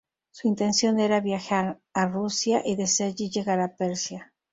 Su intención era viajar a Rusia y desde allí llegar a Persia.